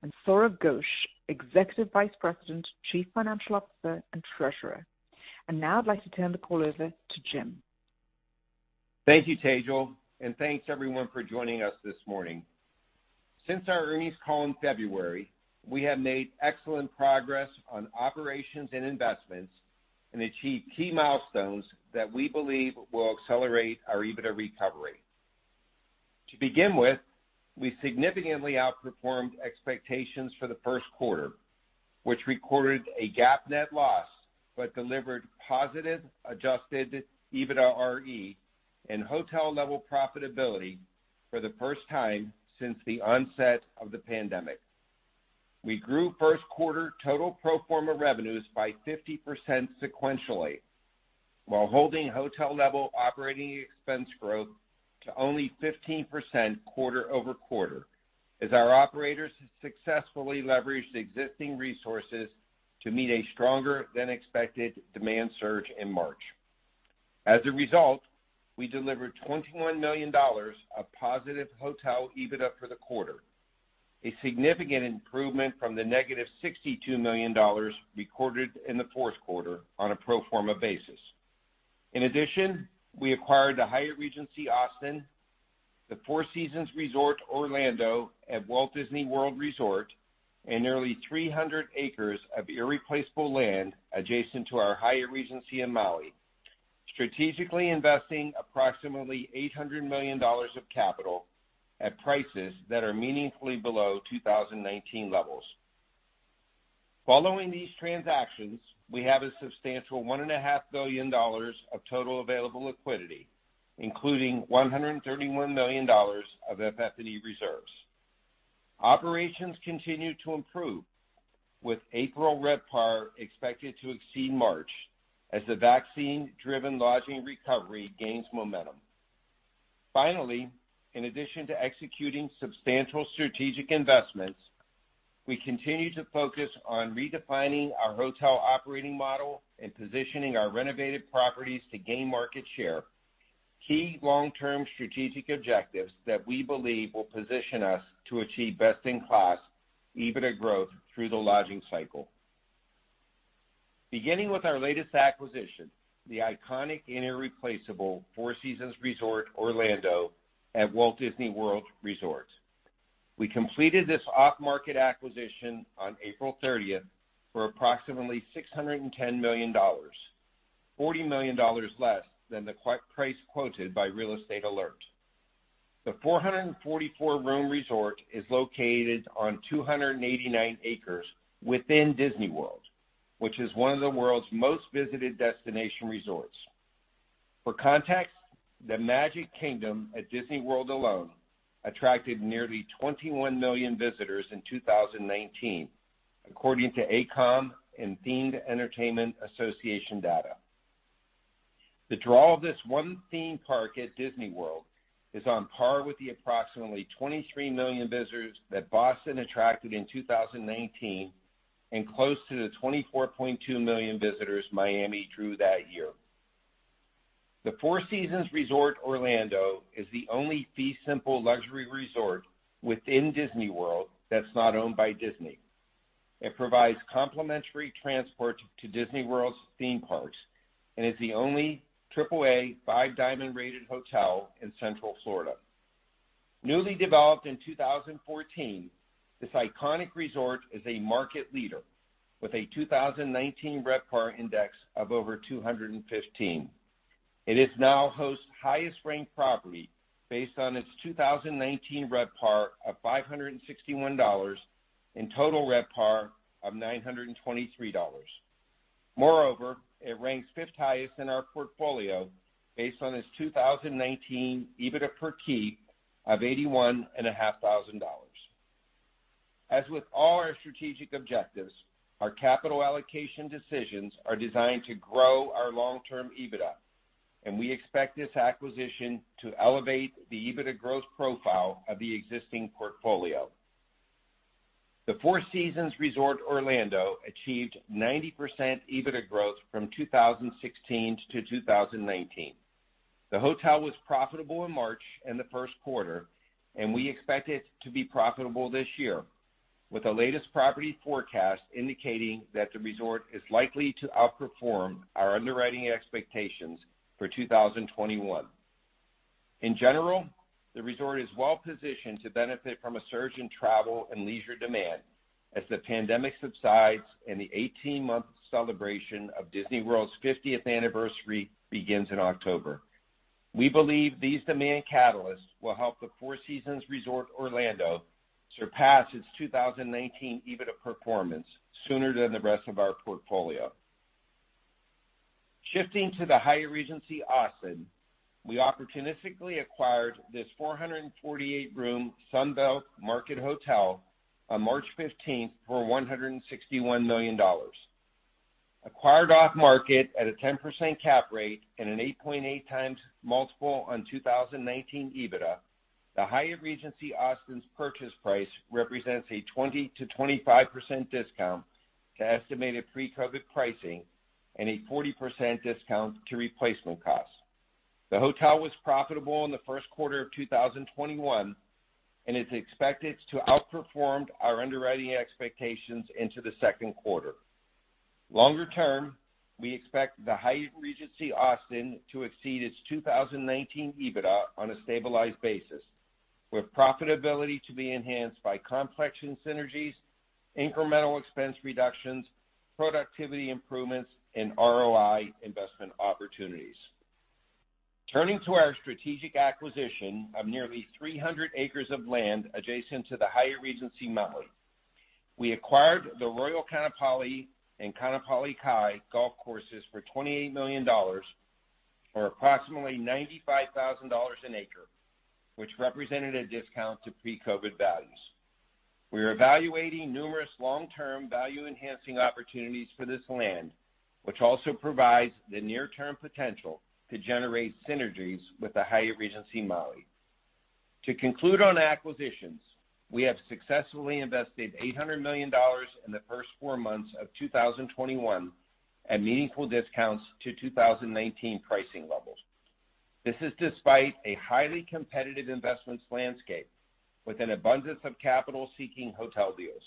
Officer, and Sourav Ghosh, Executive Vice President, Chief Financial Officer, and Treasurer. Now I'd like to turn the call over to Jim. Thank you, Tejal, and thanks everyone for joining us this morning. Since our earnings call in February, we have made excellent progress on operations and investments and achieved key milestones that we believe will accelerate our EBITDA recovery. To begin with, we significantly outperformed expectations for the first quarter, which recorded a GAAP net loss but delivered positive Adjusted EBITDAre and hotel-level profitability for the first time since the onset of the pandemic. We grew first quarter total pro forma revenues by 50% sequentially while holding hotel-level operating expense growth to only 15% quarter-over-quarter as our operators successfully leveraged existing resources to meet a stronger than expected demand surge in March. As a result, we delivered $21 million of positive hotel EBITDA for the quarter, a significant improvement from the negative $62 million recorded in the fourth quarter on a pro forma basis. In addition, we acquired the Hyatt Regency Austin, the Four Seasons Resort Orlando at Walt Disney World Resort, and nearly 300 acres of irreplaceable land adjacent to our Hyatt Regency in Maui, strategically investing approximately $800 million of capital at prices that are meaningfully below 2019 levels. Following these transactions, we have a substantial $1.5 billion of total available liquidity, including $131 million of FF&E reserves. Operations continue to improve, with April RevPAR expected to exceed March as the vaccine-driven lodging recovery gains momentum. Finally, in addition to executing substantial strategic investments, we continue to focus on redefining our hotel operating model and positioning our renovated properties to gain market share, key long-term strategic objectives that we believe will position us to achieve best-in-class EBITDA growth through the lodging cycle. Beginning with our latest acquisition, the iconic and irreplaceable Four Seasons Resort Orlando at Walt Disney World Resort. We completed this off-market acquisition on April 30th for approximately $610 million, $40 million less than the price quoted by Real Estate Alert. The 444-room resort is located on 289 acres within Disney World, which is one of the world's most visited destination resorts. For context, the Magic Kingdom at Disney World alone attracted nearly 21 million visitors in 2019, according to AECOM and Themed Entertainment Association data. The draw of this one theme park at Disney World is on par with the approximately 23 million visitors that Boston attracted in 2019 and close to the 24.2 million visitors Miami drew that year. The Four Seasons Resort Orlando is the only fee simple luxury resort within Disney World that is not owned by Disney. It provides complimentary transport to Disney World's theme parks and is the only AAA Five Diamond rated hotel in Central Florida. Newly developed in 2014, this iconic resort is a market leader with a 2019 RevPAR index of over 215. It is now Host's highest ranked property based on its 2019 RevPAR of $561 and total RevPAR of $923. Moreover, it ranks fifth highest in our portfolio based on its 2019 EBITDA per key of $81,500. As with all our strategic objectives, our capital allocation decisions are designed to grow our long-term EBITDA, and we expect this acquisition to elevate the EBITDA growth profile of the existing portfolio. The Four Seasons Resort Orlando achieved 90% EBITDA growth from 2016 to 2019. The hotel was profitable in March and the first quarter, and we expect it to be profitable this year with the latest property forecast indicating that the resort is likely to outperform our underwriting expectations for 2021. In general, the resort is well positioned to benefit from a surge in travel and leisure demand as the pandemic subsides and the 18-month celebration of Disney World's 50th anniversary begins in October. We believe these demand catalysts will help the Four Seasons Resort Orlando surpass its 2019 EBITDA performance sooner than the rest of our portfolio. Shifting to the Hyatt Regency Austin, we opportunistically acquired this 448-room Sunbelt market hotel on March 15th for $161 million. Acquired off-market at a 10% cap rate and an 8.8x multiple on 2019 EBITDA, the Hyatt Regency Austin's purchase price represents a 20%-25% discount to estimated pre-COVID pricing and a 40% discount to replacement cost. The hotel was profitable in the first quarter of 2021, and is expected to outperform our underwriting expectations into the second quarter. Longer term, we expect the Hyatt Regency Austin to exceed its 2019 EBITDA on a stabilized basis, with profitability to be enhanced by complex-wide synergies, incremental expense reductions, productivity improvements, and ROI investment opportunities. Turning to our strategic acquisition of nearly 300 acres of land adjacent to the Hyatt Regency Maui. We acquired the Royal Ka'anapali and Ka'anapali Kai golf courses for $28 million, or approximately $95,000 an acre, which represented a discount to pre-COVID values. We are evaluating numerous long-term value-enhancing opportunities for this land, which also provides the near-term potential to generate synergies with the Hyatt Regency Maui. To conclude on acquisitions, we have successfully invested $800 million in the first four months of 2021 at meaningful discounts to 2019 pricing levels. This is despite a highly competitive investments landscape, with an abundance of capital-seeking hotel deals.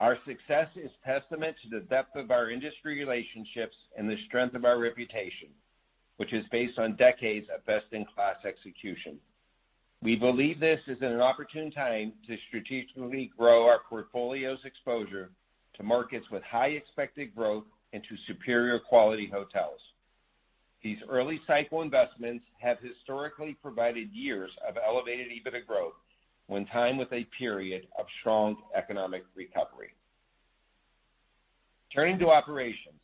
Our success is testament to the depth of our industry relationships and the strength of our reputation, which is based on decades of best-in-class execution. We believe this is an opportune time to strategically grow our portfolio's exposure to markets with high expected growth into superior quality hotels. These early cycle investments have historically provided years of elevated EBITDA growth when timed with a period of strong economic recovery. Turning to operations.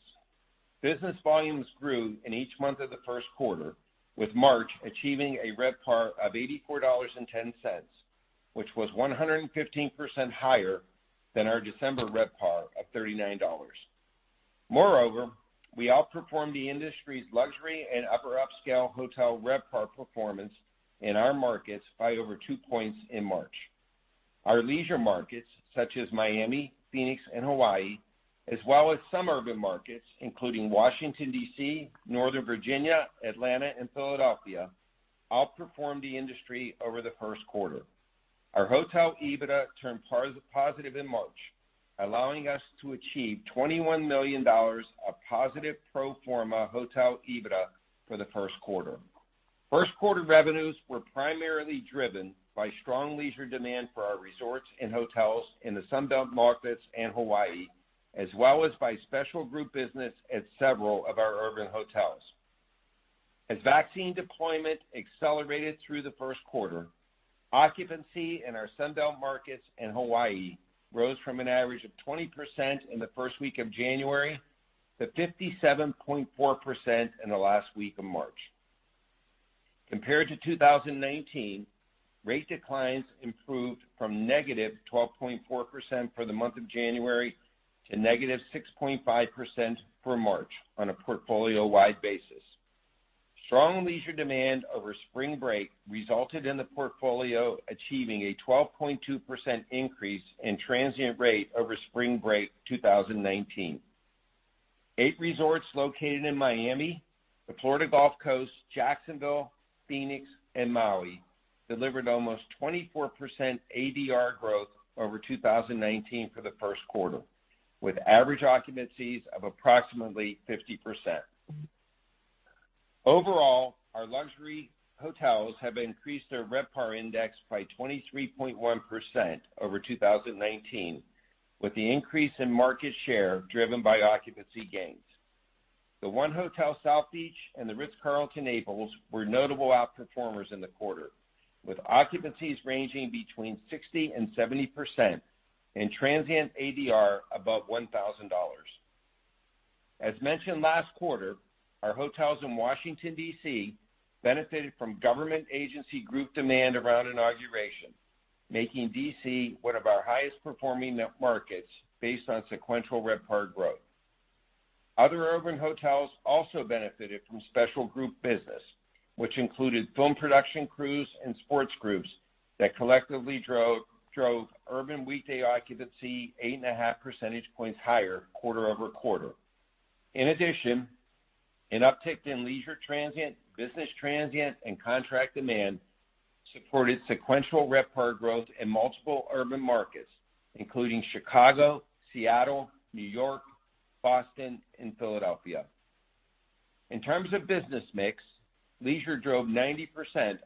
Business volumes grew in each month of the first quarter, with March achieving a RevPAR of $84.10, which was 115% higher than our December RevPAR of $39. Moreover, we outperformed the industry's luxury and upper upscale hotel RevPAR performance in our markets by over two points in March. Our leisure markets, such as Miami, Phoenix, and Hawaii, as well as some urban markets, including Washington, D.C., Northern Virginia, Atlanta, and Philadelphia, outperformed the industry over the first quarter. Our hotel EBITDA turned positive in March, allowing us to achieve $21 million of positive pro forma hotel EBITDA for the first quarter. First quarter revenues were primarily driven by strong leisure demand for our resorts and hotels in the Sun Belt markets and Hawaii, as well as by special group business at several of our urban hotels. As vaccine deployment accelerated through the first quarter, occupancy in our Sun Belt markets and Hawaii rose from an average of 20% in the first week of January to 57.4% in the last week of March. Compared to 2019, rate declines improved from -12.4% for the month of January to -6.5% for March on a portfolio-wide basis. Strong leisure demand over spring break resulted in the portfolio achieving a 12.2% increase in transient rate over spring break 2019. Eight resorts located in Miami, the Florida Gulf Coast, Jacksonville, Phoenix, and Maui delivered almost 24% ADR growth over 2019 for the first quarter, with average occupancies of approximately 50%. Overall, our luxury hotels have increased their RevPAR index by 23.1% over 2019, with the increase in market share driven by occupancy gains. The 1 Hotel South Beach and The Ritz-Carlton, Naples were notable outperformers in the quarter, with occupancies ranging between 60% and 70% and transient ADR above $1,000. As mentioned last quarter, our hotels in Washington, D.C. benefited from government agency group demand around inauguration, making D.C. one of our highest performing net markets based on sequential RevPAR growth. Other urban hotels also benefited from special group business, which included film production crews and sports groups that collectively drove urban weekday occupancy 8.5 percentage points higher quarter-over-quarter. In addition, an uptick in leisure transient, business transient, and contract demand supported sequential RevPAR growth in multiple urban markets, including Chicago, Seattle, New York, Boston, and Philadelphia. In terms of business mix, leisure drove 90%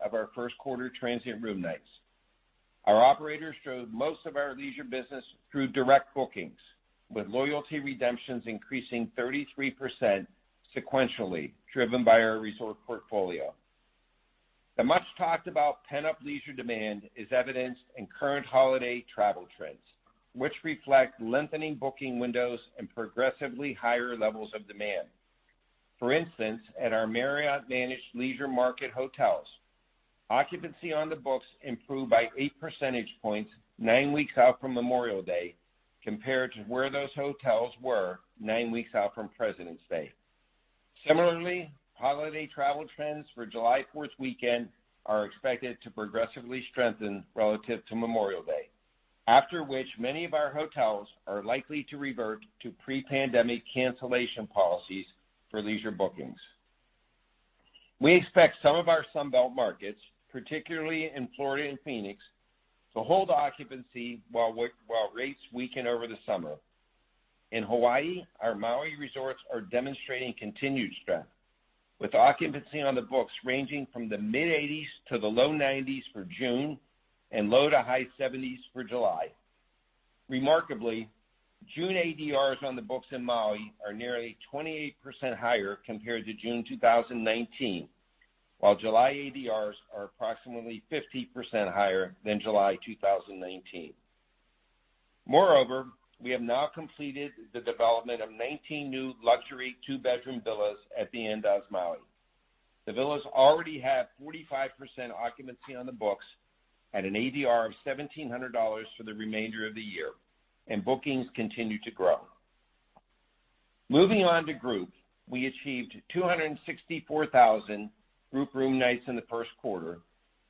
of our first quarter transient room nights. Our operators drove most of our leisure business through direct bookings, with loyalty redemptions increasing 33% sequentially, driven by our resort portfolio. The much-talked about pent-up leisure demand is evidenced in current holiday travel trends, which reflect lengthening booking windows and progressively higher levels of demand. For instance, at our Marriott-managed leisure market hotels, occupancy on the books improved by eight percentage points nine weeks out from Memorial Day compared to where those hotels were nine weeks out from Presidents' Day. Similarly, holiday travel trends for July 4th weekend are expected to progressively strengthen relative to Memorial Day. After which many of our hotels are likely to revert to pre-pandemic cancellation policies for leisure bookings. We expect some of our Sun Belt markets, particularly in Florida and Phoenix, to hold occupancy while rates weaken over the summer. In Hawaii, our Maui resorts are demonstrating continued strength, with occupancy on the books ranging from the mid-80s to the low 90s for June and low to high 70s for July. Remarkably, June ADRs on the books in Maui are nearly 28% higher compared to June 2019. While July ADRs are approximately 15% higher than July 2019. Moreover, we have now completed the development of 19 new luxury two-bedroom villas at the Andaz Maui. The villas already have 45% occupancy on the books at an ADR of $1,700 for the remainder of the year, and bookings continue to grow. Moving on to group, we achieved 264,000 group room nights in the first quarter,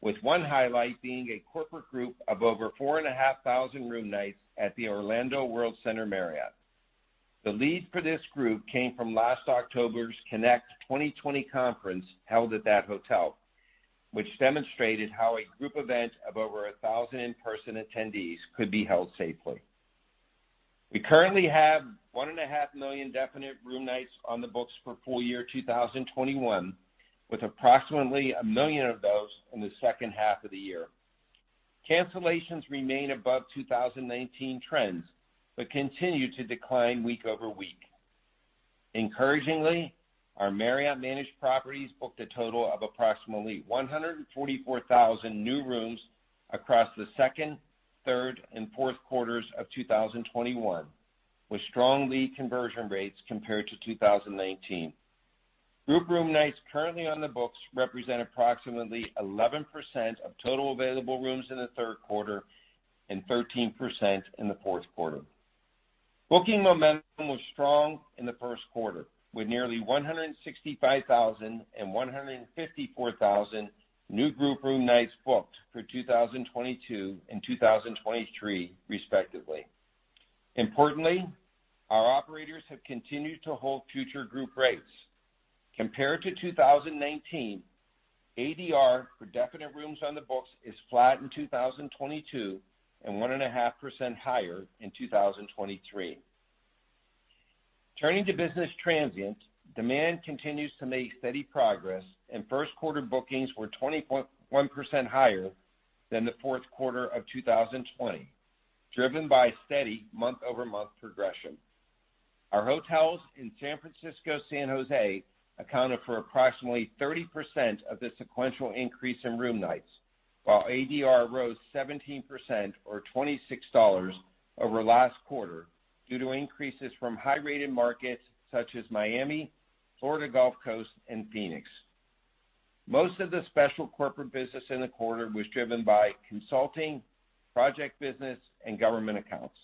with one highlight being a corporate group of over 4,500 room nights at the Orlando World Center Marriott. The lead for this group came from last October's Connect 2020 conference held at that hotel, which demonstrated how a group event of over 1,000 in-person attendees could be held safely. We currently have 1.5 million definite room nights on the books for full year 2021, with approximately 1 million of those in the second half of the year. Cancellations remain above 2019 trends but continue to decline week over week. Encouragingly, our Marriott-managed properties booked a total of approximately 144,000 new rooms across the second, third, and fourth quarters of 2021, with strong lead conversion rates compared to 2019. Group room nights currently on the books represent approximately 11% of total available rooms in the third quarter and 13% in the fourth quarter. Booking momentum was strong in the first quarter, with nearly 165,000 and 154,000 new group room nights booked for 2022 and 2023 respectively. Importantly, our operators have continued to hold future group rates. Compared to 2019, ADR for definite rooms on the books is flat in 2022 and 1.5% higher in 2023. Turning to business transient, demand continues to make steady progress, and first-quarter bookings were 20.1% higher than the fourth quarter of 2020, driven by steady month-over-month progression. Our hotels in San Francisco, San Jose accounted for approximately 30% of the sequential increase in room nights, while ADR rose 17% or $26 over last quarter due to increases from high-rated markets such as Miami, Florida Gulf Coast, and Phoenix. Most of the special corporate business in the quarter was driven by consulting, project business, and government accounts.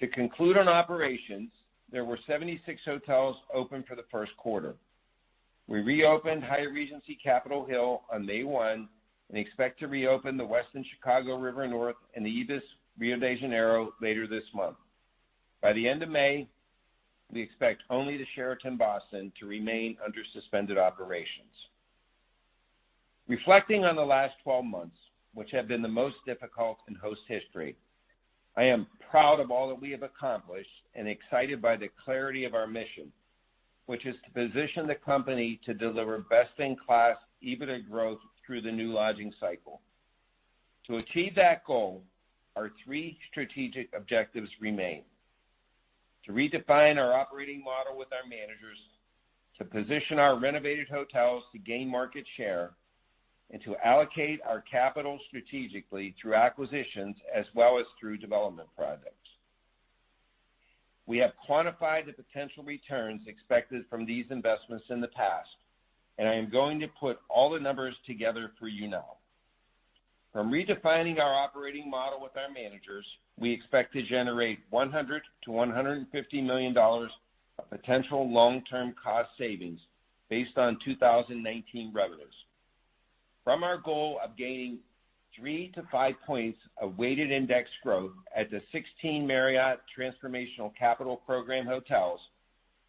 To conclude on operations, there were 76 hotels open for the first quarter. We reopened Hyatt Regency Capitol Hill on May 1 and expect to reopen the Westin Chicago River North and the ibis Rio de Janeiro later this month. By the end of May, we expect only the Sheraton Boston to remain under suspended operations. Reflecting on the last 12 months, which have been the most difficult in Host history, I am proud of all that we have accomplished and excited by the clarity of our mission, which is to position the company to deliver best-in-class EBITDA growth through the new lodging cycle. To achieve that goal, our three strategic objectives remain: to redefine our operating model with our managers, to position our renovated hotels to gain market share, and to allocate our capital strategically through acquisitions as well as through development projects. We have quantified the potential returns expected from these investments in the past, and I am going to put all the numbers together for you now. From redefining our operating model with our managers, we expect to generate $100 million-$150 million of potential long-term cost savings based on 2019 revenues. From our goal of gaining three to five points of weighted index growth at the 16 Marriott Transformational Capital Program hotels,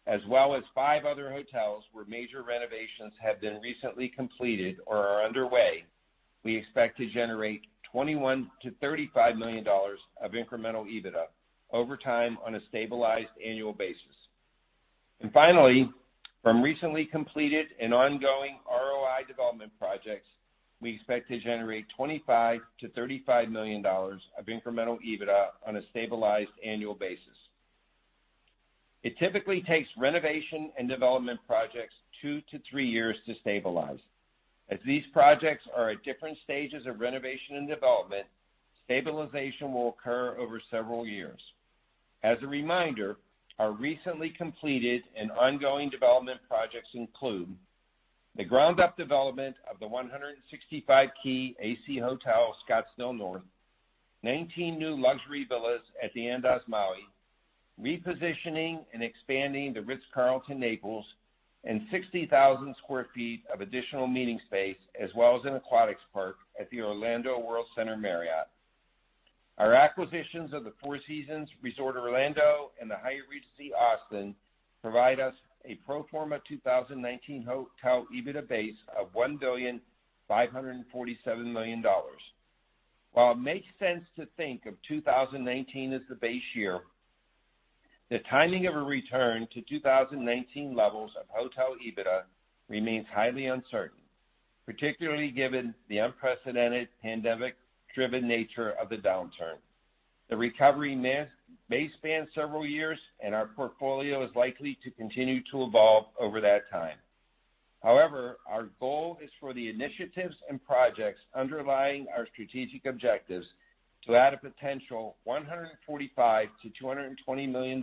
as well as five other hotels where major renovations have been recently completed or are underway, we expect to generate $21 million-$35 million of incremental EBITDA over time on a stabilized annual basis. Finally, from recently completed and ongoing ROI development projects, we expect to generate $25 million-$35 million of incremental EBITDA on a stabilized annual basis. It typically takes renovation and development projects two to three years to stabilize. These projects are at different stages of renovation and development, stabilization will occur over several years. As a reminder, our recently completed and ongoing development projects include the ground-up development of the 165-key AC Hotel Scottsdale North, 19 new luxury villas at the Andaz Maui, repositioning and expanding The Ritz-Carlton, Naples and 60,000 sq ft of additional meeting space, as well as an aquatics park at the Orlando World Center Marriott. Our acquisitions of the Four Seasons Resort Orlando and the Hyatt Regency Austin provide us a pro forma 2019 hotel EBITDA base of $1.547 billion. While it makes sense to think of 2019 as the base year, the timing of a return to 2019 levels of hotel EBITDA remains highly uncertain, particularly given the unprecedented pandemic-driven nature of the downturn. The recovery may span several years, and our portfolio is likely to continue to evolve over that time. However, our goal is for the initiatives and projects underlying our strategic objectives to add a potential $145 million-$220 million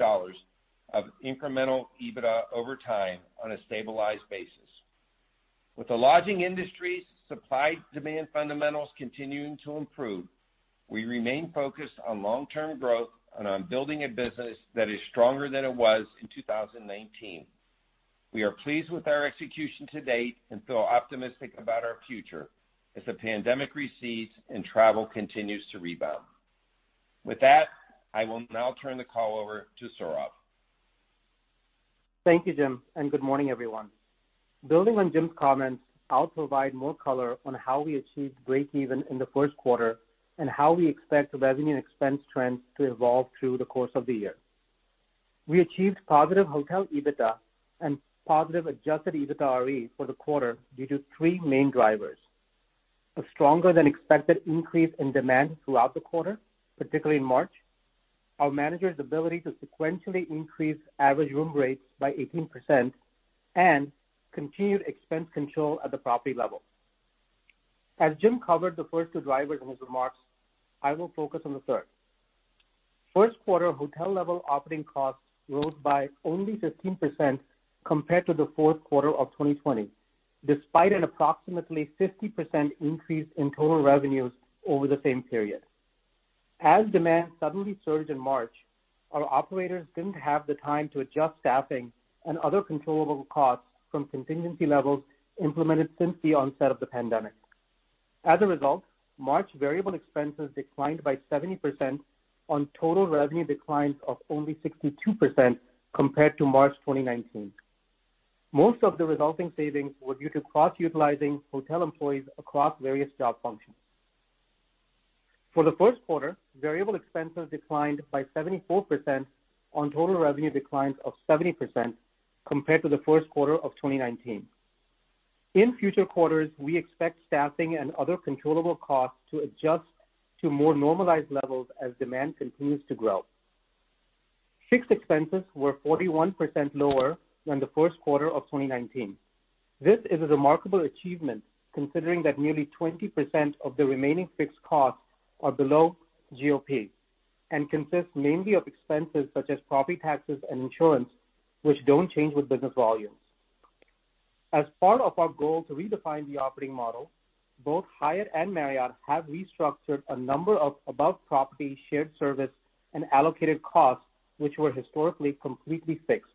of incremental EBITDA over time on a stabilized basis. With the lodging industry's supply-demand fundamentals continuing to improve, we remain focused on long-term growth and on building a business that is stronger than it was in 2019. We are pleased with our execution to date and feel optimistic about our future as the pandemic recedes and travel continues to rebound. With that, I will now turn the call over to Sourav. Thank you, Jim, and good morning, everyone. Building on Jim's comments, I'll provide more color on how we achieved breakeven in the first quarter and how we expect revenue and expense trends to evolve through the course of the year. We achieved positive hotel EBITDA and positive Adjusted EBITDAre for the quarter due to three main drivers. A stronger than expected increase in demand throughout the quarter, particularly in March, our managers' ability to sequentially increase average room rates by 18%, and continued expense control at the property level. As Jim covered the first two drivers in his remarks, I will focus on the third. First quarter hotel-level operating costs rose by only 15% compared to the fourth quarter of 2020, despite an approximately 50% increase in total revenues over the same period. As demand suddenly surged in March, our operators didn't have the time to adjust staffing and other controllable costs from contingency levels implemented since the onset of the pandemic. As a result, March variable expenses declined by 70% on total revenue declines of only 62% compared to March 2019. Most of the resulting savings were due to cross-utilizing hotel employees across various job functions. For the first quarter, variable expenses declined by 74% on total revenue declines of 70% compared to the first quarter of 2019. In future quarters, we expect staffing and other controllable costs to adjust to more normalized levels as demand continues to grow. Fixed expenses were 41% lower than the first quarter of 2019. This is a remarkable achievement, considering that nearly 20% of the remaining fixed costs are below GOP and consist mainly of expenses such as property taxes and insurance, which don't change with business volumes. As part of our goal to redefine the operating model, both Hyatt and Marriott have restructured a number of above-property shared service and allocated costs, which were historically completely fixed.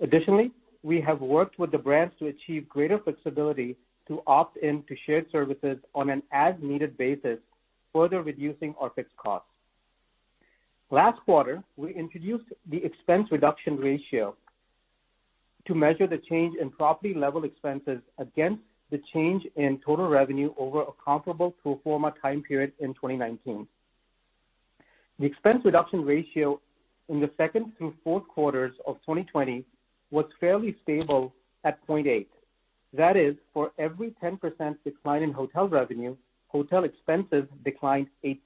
Additionally, we have worked with the brands to achieve greater flexibility to opt in to shared services on an as-needed basis, further reducing our fixed costs. Last quarter, we introduced the expense reduction ratio to measure the change in property-level expenses against the change in total revenue over a comparable pro forma time period in 2019. The expense reduction ratio in the second through fourth quarters of 2020 was fairly stable at 0.8. That is, for every 10% decline in hotel revenue, hotel expenses declined 8%.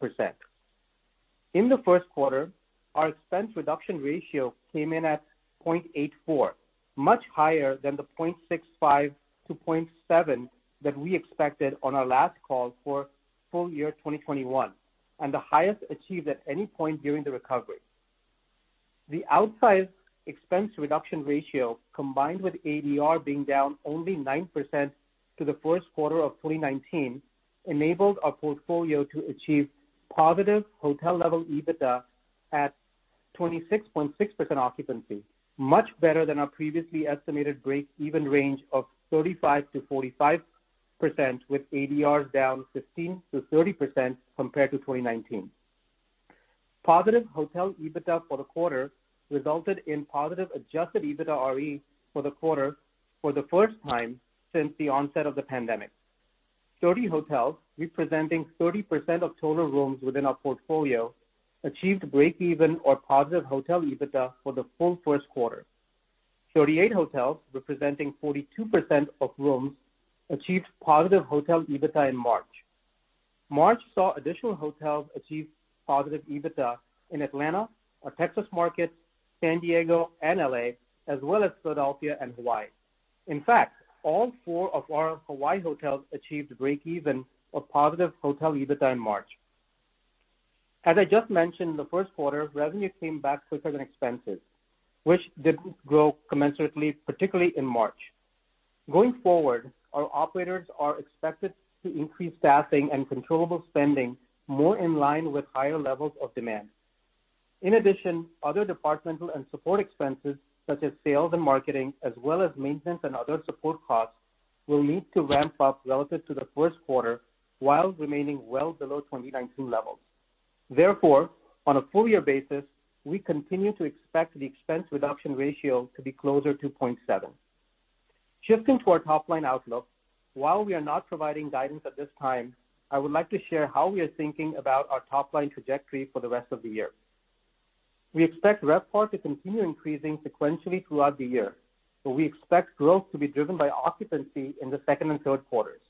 In the first quarter, our expense reduction ratio came in at 0.84, much higher than the 0.65-0.7 that we expected on our last call for full year 2021 and the highest achieved at any point during the recovery. The outsized expense reduction ratio, combined with ADR being down only 9% to the first quarter of 2019, enabled our portfolio to achieve positive hotel-level EBITDA at 26.6% occupancy, much better than our previously estimated breakeven range of 35%-45%, with ADR down 15%-30% compared to 2019. Positive hotel EBITDA for the quarter resulted in positive Adjusted EBITDAre for the quarter for the first time since the onset of the pandemic. 30 hotels, representing 30% of total rooms within our portfolio, achieved breakeven or positive hotel EBITDA for the full first quarter. 38 hotels, representing 42% of rooms, achieved positive hotel EBITDA in March. March saw additional hotels achieve positive EBITDA in Atlanta, our Texas market, San Diego, and L.A., as well as Philadelphia and Hawaii. In fact, all four of our Hawaii hotels achieved breakeven or positive hotel EBITDA in March. As I just mentioned, in the first quarter, revenue came back quicker than expenses, which didn't grow commensurately, particularly in March. Going forward, our operators are expected to increase staffing and controllable spending more in line with higher levels of demand. In addition, other departmental and support expenses, such as sales and marketing, as well as maintenance and other support costs, will need to ramp up relative to the first quarter while remaining well below 2019 levels. Therefore, on a full year basis, we continue to expect the expense reduction ratio to be closer to 0.7. Shifting to our top-line outlook, while we are not providing guidance at this time, I would like to share how we are thinking about our top-line trajectory for the rest of the year. We expect RevPAR to continue increasing sequentially throughout the year, but we expect growth to be driven by occupancy in the second and third quarters.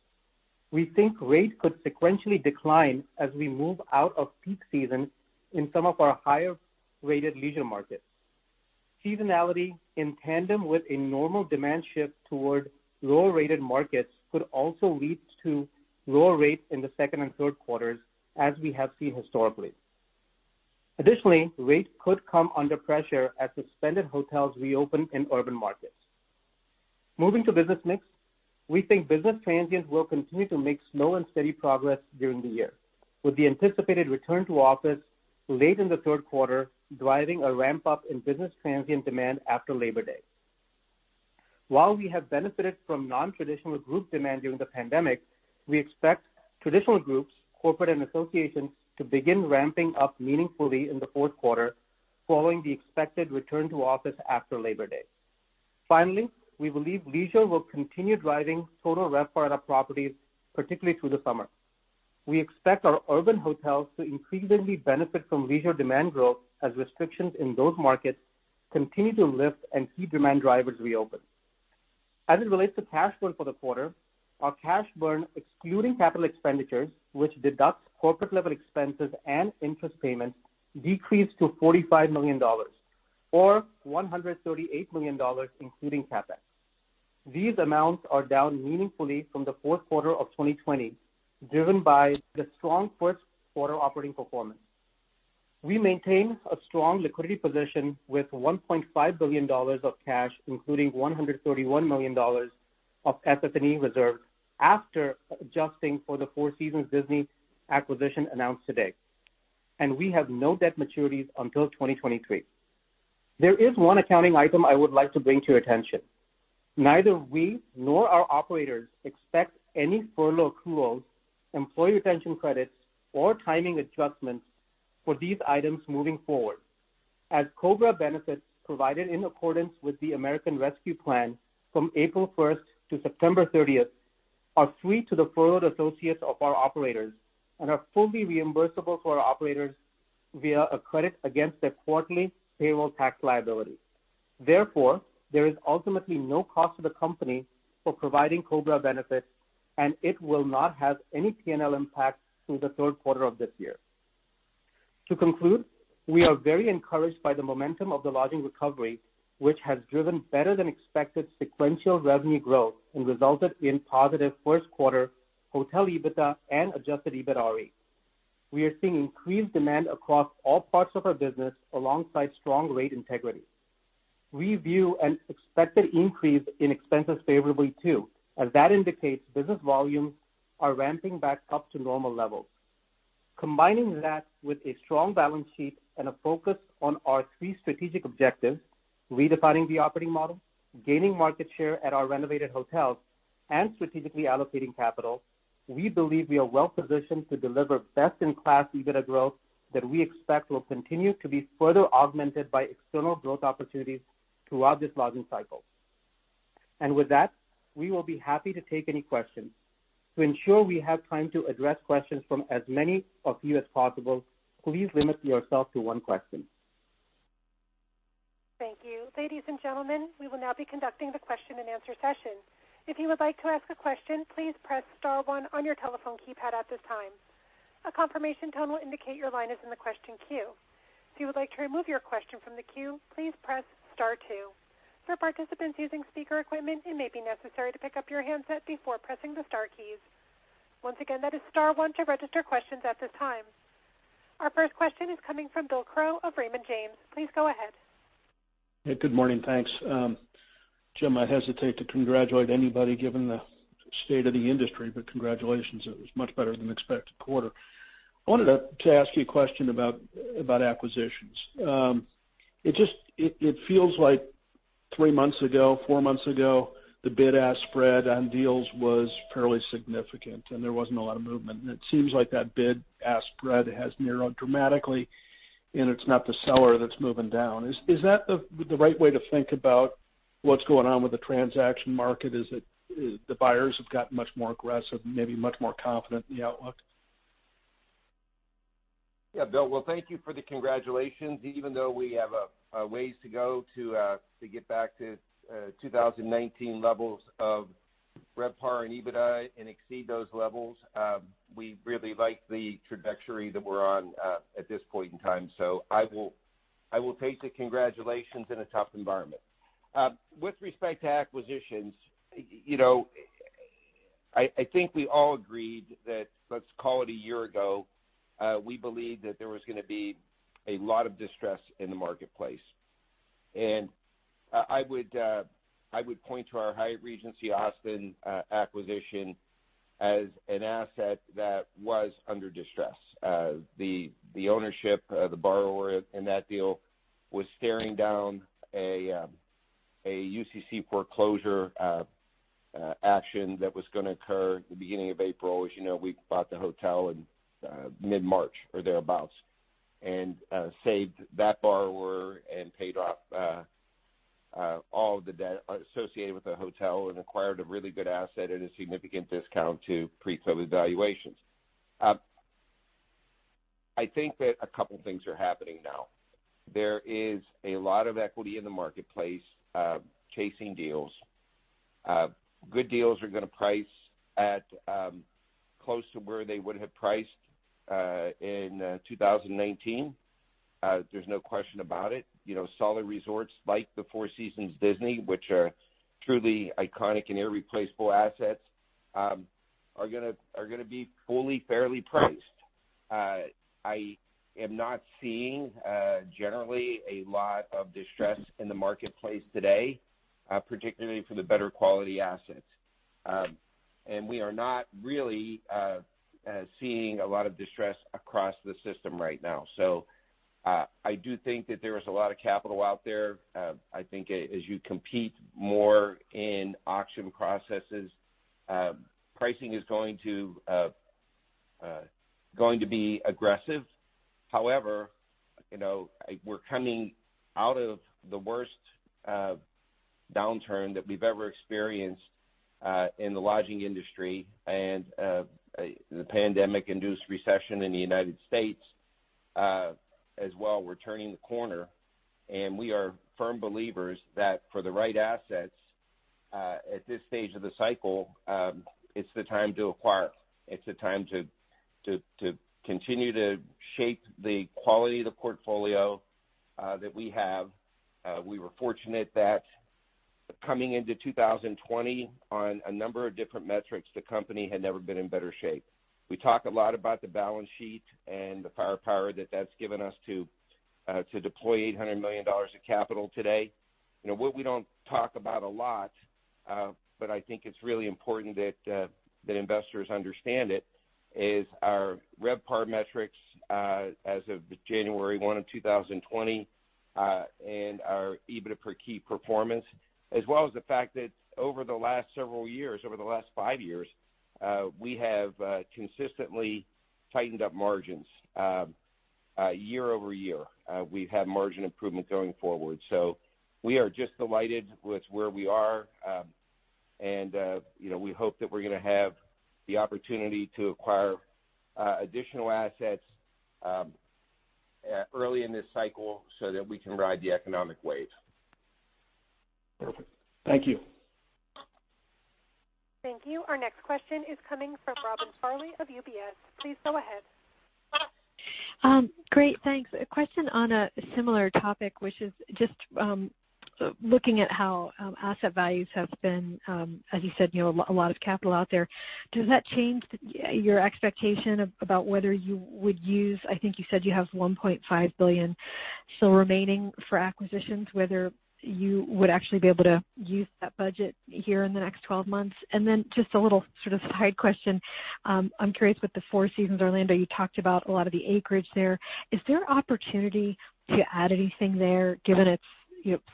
We think rate could sequentially decline as we move out of peak season in some of our higher rated leisure markets. Seasonality in tandem with a normal demand shift toward lower rated markets could also lead to lower rates in the second and third quarters, as we have seen historically. Additionally, rates could come under pressure as suspended hotels reopen in urban markets. Moving to business mix, we think business transient will continue to make slow and steady progress during the year, with the anticipated return to office late in the third quarter, driving a ramp up in business transient demand after Labor Day. While we have benefited from non-traditional group demand during the pandemic, we expect traditional groups, corporate and associations to begin ramping up meaningfully in the fourth quarter, following the expected return to office after Labor Day. Finally, we believe leisure will continue driving total RevPAR at our properties, particularly through the summer. We expect our urban hotels to increasingly benefit from leisure demand growth as restrictions in those markets continue to lift and key demand drivers reopen. As it relates to cash burn for the quarter, our cash burn excluding capital expenditures, which deducts corporate level expenses and interest payments, decreased to $45 million, or $138 million, including CapEx. These amounts are down meaningfully from the fourth quarter of 2020, driven by the strong first quarter operating performance. We maintain a strong liquidity position with $1.5 billion of cash, including $131 million of FF&E reserve after adjusting for the Four Seasons Disney acquisition announced today, we have no debt maturities until 2023. There is one accounting item I would like to bring to your attention. Neither we nor our operators expect any furlough accruals, employee retention credits, or timing adjustments for these items moving forward, as COBRA benefits provided in accordance with the American Rescue Plan from April 1st to September 30th are free to the furloughed associates of our operators and are fully reimbursable to our operators via a credit against their quarterly payroll tax liability. Therefore, there is ultimately no cost to the company for providing COBRA benefits, and it will not have any P&L impact through the third quarter of this year. To conclude, we are very encouraged by the momentum of the lodging recovery, which has driven better than expected sequential revenue growth and resulted in positive first quarter hotel EBITDA and Adjusted EBITDAre. We are seeing increased demand across all parts of our business alongside strong rate integrity. We view an expected increase in expenses favorably too, as that indicates business volumes are ramping back up to normal levels. Combining that with a strong balance sheet and a focus on our three strategic objectives, redefining the operating model, gaining market share at our renovated hotels, and strategically allocating capital, we believe we are well positioned to deliver best-in-class EBITDA growth that we expect will continue to be further augmented by external growth opportunities throughout this lodging cycle. With that, we will be happy to take any questions. To ensure we have time to address questions from as many of you as possible, please limit yourself to one question. Thank you. Ladies and gentlemen, we will now be conducting the question and answer session. If you would like to ask a question, please press star one on your telephone keypad at this time. A confirmation tone will indicate your line is in the question queue. If you would like to remove your question from the queue, please press star two. For participants using speaker equipment, it may be necessary to pick up your handset before pressing the star keys. Once again, that is star one to register questions at this time. Our first question is coming from Bill Crow of Raymond James. Please go ahead. Good morning. Thanks. Jim, I hesitate to congratulate anybody given the state of the industry, but congratulations. It was much better than expected quarter. I wanted to ask you a question about acquisitions. It feels like three months ago, four months ago, the bid-ask spread on deals was fairly significant, and there wasn't a lot of movement. It seems like that bid-ask spread has narrowed dramatically, and it's not the seller that's moving down. Is that the right way to think about what's going on with the transaction market? Is it the buyers have got much more aggressive, maybe much more confident in the outlook? Well, thank you for the congratulations. Even though we have a ways to go to get back to 2019 levels of RevPAR and EBITDA and exceed those levels, we really like the trajectory that we're on at this point in time. I will take the congratulations in a tough environment. With respect to acquisitions, you know. I think we all agreed that, let's call it one year ago, we believed that there was going to be a lot of distress in the marketplace. I would point to our Hyatt Regency Austin acquisition as an asset that was under distress. The ownership, the borrower in that deal was staring down a UCC foreclosure action that was going to occur the beginning of April. As you know, we bought the hotel in mid-March or thereabouts, and saved that borrower and paid off all of the debt associated with the hotel and acquired a really good asset at a significant discount to pre-COVID valuations. I think that a couple things are happening now. There is a lot of equity in the marketplace chasing deals. Good deals are going to price at close to where they would have priced in 2019. There's no question about it. Solid resorts like the Four Seasons Disney, which are truly iconic and irreplaceable assets, are going to be fully, fairly priced. I am not seeing, generally, a lot of distress in the marketplace today, particularly for the better quality assets. We are not really seeing a lot of distress across the system right now. I do think that there is a lot of capital out there. I think as you compete more in auction processes, pricing is going to be aggressive. However, we're coming out of the worst downturn that we've ever experienced in the lodging industry and the pandemic-induced recession in the United States, as well. We're turning the corner, and we are firm believers that for the right assets, at this stage of the cycle, it's the time to acquire. It's the time to continue to shape the quality of the portfolio that we have. We were fortunate that coming into 2020 on a number of different metrics, the company had never been in better shape. We talk a lot about the balance sheet and the firepower that that's given us to deploy $800 million of capital today. What we don't talk about a lot, but I think it's really important that investors understand it, is our RevPAR metrics as of January 1 of 2020, and our EBITDA per key performance, as well as the fact that over the last several years, over the last five years, we have consistently tightened up margins year-over-year. We've had margin improvement going forward. We are just delighted with where we are. We hope that we're going to have the opportunity to acquire additional assets early in this cycle so that we can ride the economic wave. Perfect. Thank you. Thank you. Our next question is coming from Robin Farley of UBS. Please go ahead. Great, thanks. A question on a similar topic, which is just looking at how asset values have been, as you said, a lot of capital out there. Does that change your expectation about whether you would use, I think you said you have $1.5 billion still remaining for acquisitions, whether you would actually be able to use that budget here in the next 12 months? Just a little sort of side question. I'm curious with the Four Seasons Orlando, you talked about a lot of the acreage there. Is there opportunity to add anything there given its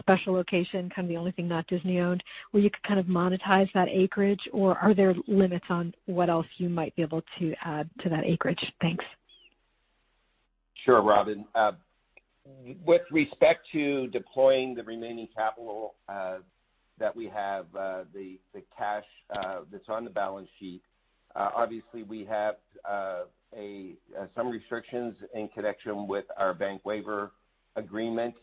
special location, kind of the only thing not Disney owned? Will you kind of monetize that acreage, or are there limits on what else you might be able to add to that acreage? Thanks. Sure, Robin. With respect to deploying the remaining capital that we have, the cash that's on the balance sheet, obviously we have some restrictions in connection with our bank waiver agreement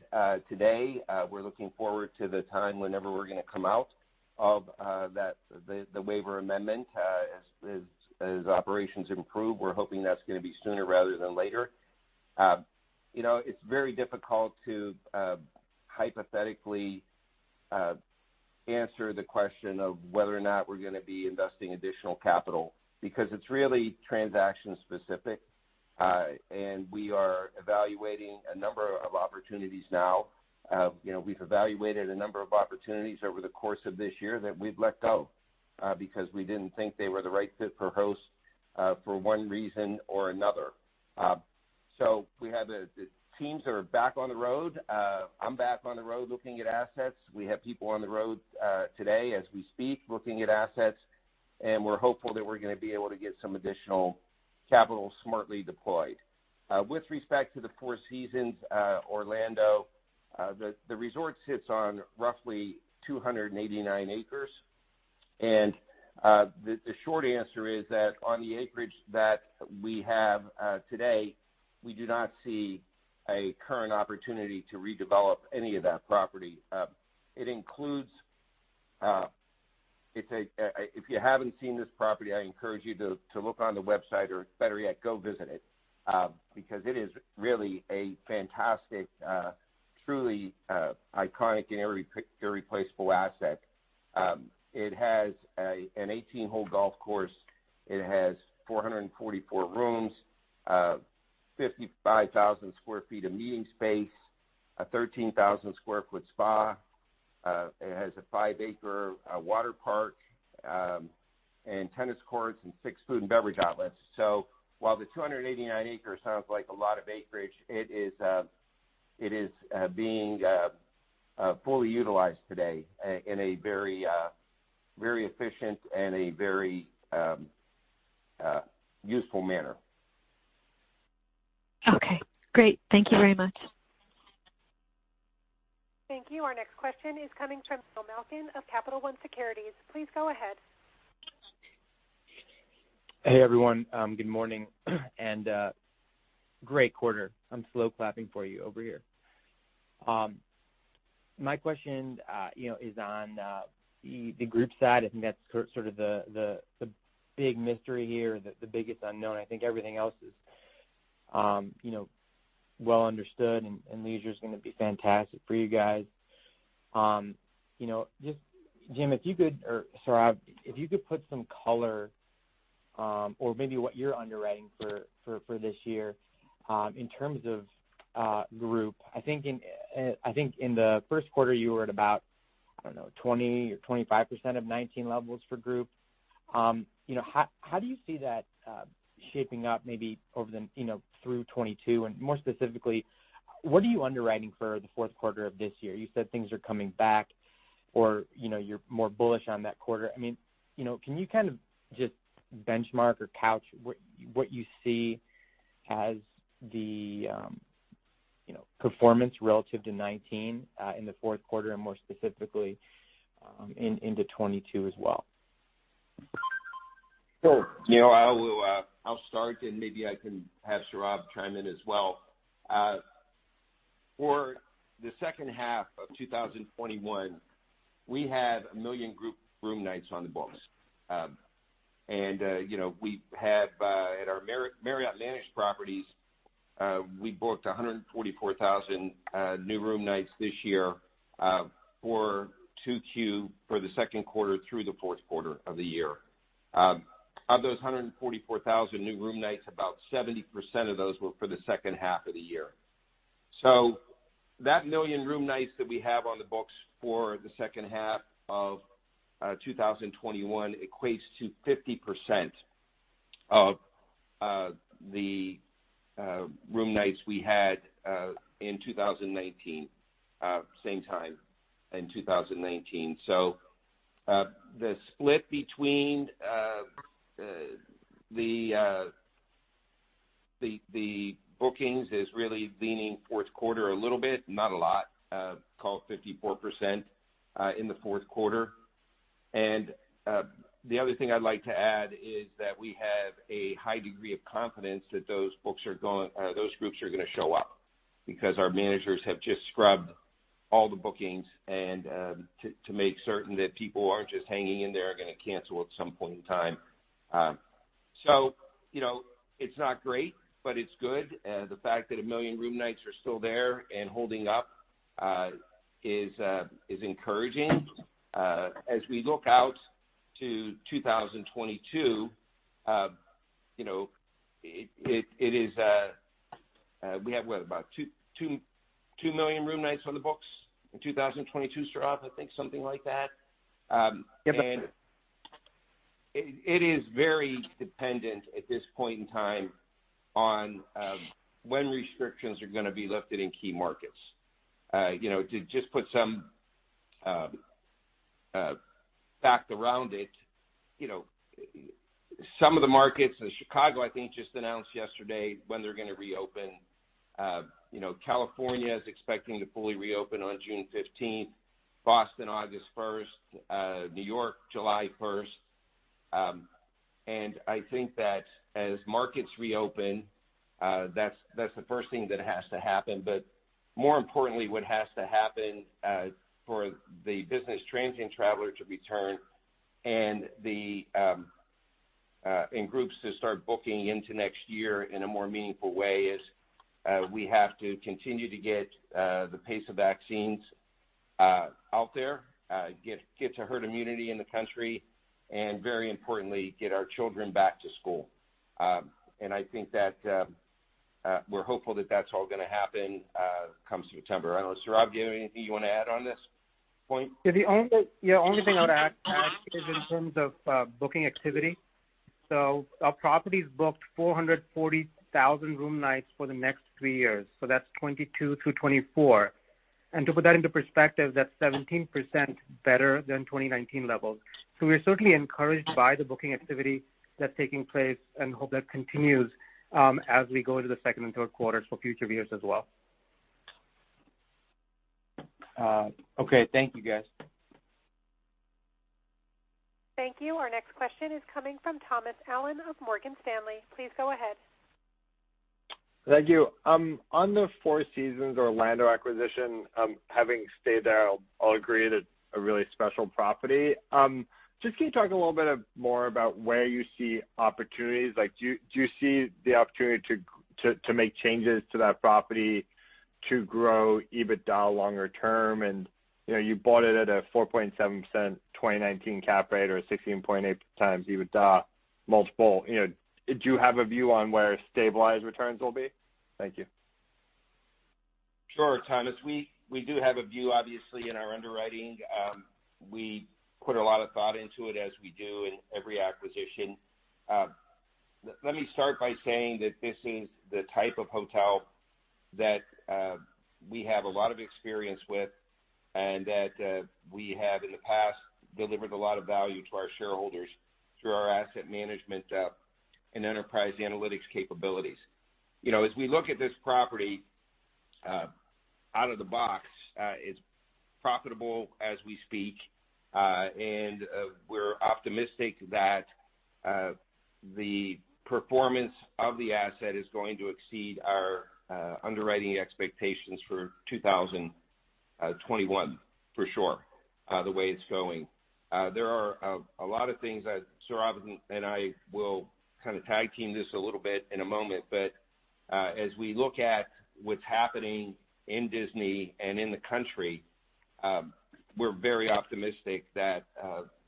today. We're looking forward to the time whenever we're going to come out of the waiver amendment. As operations improve, we're hoping that's going to be sooner rather than later. It's very difficult to hypothetically answer the question of whether or not we're going to be investing additional capital because it's really transaction specific. We are evaluating a number of opportunities now. We've evaluated a number of opportunities over the course of this year that we've let go because we didn't think they were the right fit for Host for one reason or another. We have the teams that are back on the road. I'm back on the road looking at assets. We have people on the road today as we speak, looking at assets, and we're hopeful that we're going to be able to get some additional capital smartly deployed. With respect to the Four Seasons Resort Orlando, the resort sits on roughly 289 acres. The short answer is that on the acreage that we have today, we do not see a current opportunity to redevelop any of that property. If you haven't seen this property, I encourage you to look on the website, or better yet, go visit it, because it is really a fantastic, truly iconic and irreplaceable asset. It has an 18-hole golf course. It has 444 rooms, 55,000 sq ft of meeting space, a 13,000 sq ft spa. It has a 5-acre water park, and tennis courts, and six food and beverage outlets. While the 289 acres sounds like a lot of acreage, it is being fully utilized today in a very efficient and a very useful manner. Okay, great. Thank you very much. Thank you. Our next question is coming from Neil Malkin of Capital One Securities. Please go ahead. Hey, everyone. Good morning, and great quarter. I'm slow clapping for you over here. My question is on the group side, I think that's sort of the big mystery here, the biggest unknown. I think everything else is well understood, and leisure's going to be fantastic for you guys. Jim, if you could, or Sourav, if you could put some color, or maybe what you're underwriting for this year in terms of group. I think in the first quarter, you were at about, I don't know, 20% or 25% of 2019 levels for group. How do you see that shaping up maybe through 2022, and more specifically, what are you underwriting for the fourth quarter of this year? You said things are coming back, or you're more bullish on that quarter. Can you kind of just benchmark or couch what you see as the performance relative to 2019 in the fourth quarter and more specifically into 2022 as well? Neil, I'll start, and maybe I can have Sourav chime in as well. For the second half of 2021, we have 1 million group room nights on the books. At our Marriott managed properties, we booked 144,000 new room nights this year for 2Q, for the second quarter through the fourth quarter of the year. Of those 144,000 new room nights, about 70% of those were for the second half of the year. That 1 million room nights that we have on the books for the second half of 2021 equates to 50% of the room nights we had in 2019, same time in 2019. The split between the bookings is really leaning fourth quarter a little bit, not a lot. Call it 54% in the fourth quarter. The other thing I'd like to add is that we have a high degree of confidence that those groups are going to show up because our managers have just scrubbed all the bookings to make certain that people who aren't just hanging in there are going to cancel at some point in time. It's not great, but it's good. The fact that 1 million room nights are still there and holding up is encouraging. We look out to 2022, we have, what, about 2 million room nights on the books in 2022, Sourav? I think something like that. Yep. It is very dependent at this point in time on when restrictions are going to be lifted in key markets. To just put some fact around it, some of the markets, and Chicago, I think, just announced yesterday when they're going to reopen. California is expecting to fully reopen on June 15th. Boston, August 1st. New York, July 1st. I think that as markets reopen, that's the first thing that has to happen. More importantly, what has to happen for the business transient traveler to return and groups to start booking into next year in a more meaningful way is, we have to continue to get the pace of vaccines out there, get to herd immunity in the country, and very importantly, get our children back to school. I think that we're hopeful that that's all going to happen come September. I don't know, Sourav, do you have anything you want to add on this point? The only thing I'd add is in terms of booking activity. Our properties booked 440,000 room nights for the next three years. That's 2022 through 2024. To put that into perspective, that's 17% better than 2019 levels. We're certainly encouraged by the booking activity that's taking place and hope that continues as we go into the second and third quarters for future years as well. Okay. Thank you guys. Thank you. Our next question is coming from Thomas Allen of Morgan Stanley. Please go ahead. Thank you. On the Four Seasons Orlando acquisition, having stayed there, I'll agree that it's a really special property. Just can you talk a little bit more about where you see opportunities? Do you see the opportunity to make changes to that property to grow EBITDA longer term? You bought it at a 4.7% 2019 cap rate or a 16.8x EBITDA multiple. Do you have a view on where stabilized returns will be? Thank you. Sure, Thomas. We do have a view, obviously, in our underwriting. We put a lot of thought into it as we do in every acquisition. Let me start by saying that this is the type of hotel that we have a lot of experience with and that we have, in the past, delivered a lot of value to our shareholders through our asset management and enterprise analytics capabilities. As we look at this property out of the box, it's profitable as we speak, and we're optimistic that the performance of the asset is going to exceed our underwriting expectations for 2021 for sure, the way it's going. There are a lot of things that Sourav and I will kind of tag team this a little bit in a moment, but as we look at what's happening in Disney and in the country, we're very optimistic that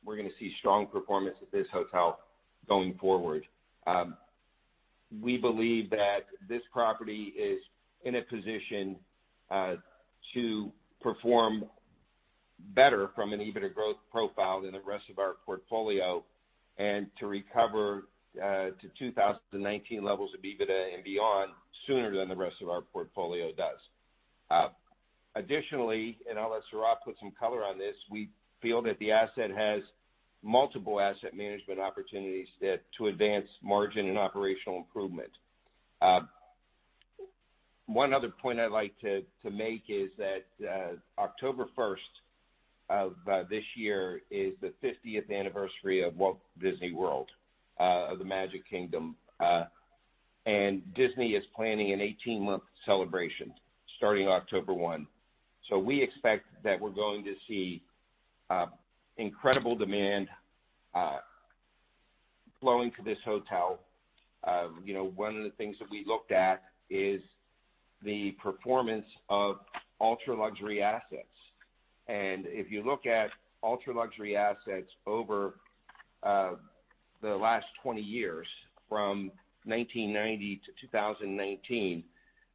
we're going to see strong performance at this hotel going forward. We believe that this property is in a position to perform better from an EBITDA growth profile than the rest of our portfolio and to recover to 2019 levels of EBITDA and beyond sooner than the rest of our portfolio does. Additionally, I'll let Sourav put some color on this, we feel that the asset has multiple asset management opportunities to advance margin and operational improvement. One other point I'd like to make is that October 1st of this year is the 50th anniversary of Walt Disney World, of the Magic Kingdom. Disney is planning an 18-month celebration starting October 1. We expect that we're going to see incredible demand flowing to this hotel. One of the things that we looked at is the performance of ultra-luxury assets. If you look at ultra-luxury assets over the last 20 years, from 1990-2019,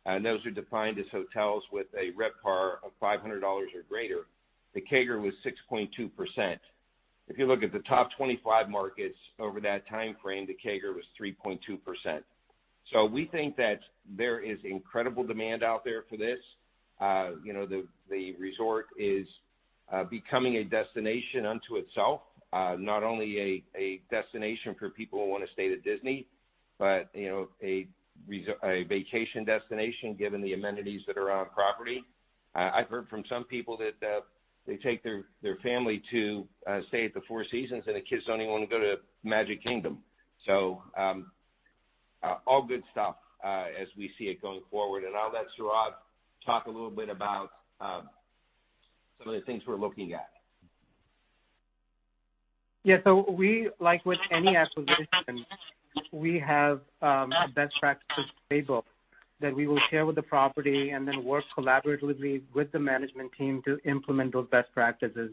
and those are defined as hotels with a RevPAR of $500 or greater, the CAGR was 6.2%. If you look at the top 25 markets over that timeframe, the CAGR was 3.2%. We think that there is incredible demand out there for this. The resort is becoming a destination unto itself. Not only a destination for people who want to stay at Disney, but a vacation destination, given the amenities that are on property. I've heard from some people that they take their family to stay at the Four Seasons, and the kids don't even want to go to Magic Kingdom. All good stuff as we see it going forward. I'll let Sourav talk a little bit about some of the things we're looking at. Yeah. Like with any acquisition, we have best practices playbook that we will share with the property and then work collaboratively with the management team to implement those best practices.